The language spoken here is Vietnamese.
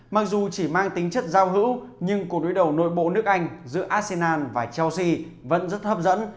mặc dù chỉ mang tính chất giao hữu nhưng cuộc đối đầu nội bộ nước anh giữa arsenal và chelsea vẫn rất hấp dẫn